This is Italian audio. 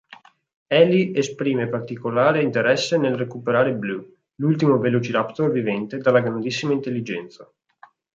Eli esprime particolare interesse nel recuperare Blue, l'ultimo "Velociraptor" vivente dalla grandissima intelligenza.